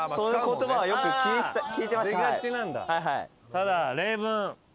ただ例文。